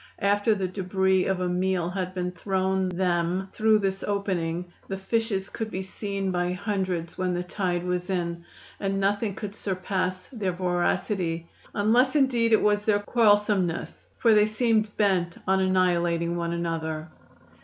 After the debris of a meal had been thrown them through this opening the fishes could be seen by hundreds when the tide was in, and nothing could surpass their voracity, unless indeed it was their quarrelsomeness, for they seemed bent on annihilating one another.